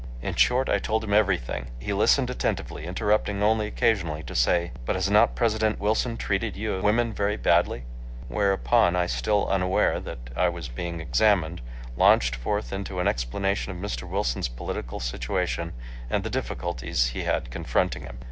In short, I told him everything. He listened attentively, interrupting only occasionally to say, "But, has not President Wilson treated you women very badly?" Whereupon, I, still unaware that I was being examined, launched forth into an explanation of Mr. Wilson's political situation and the difficulties he had confronting him.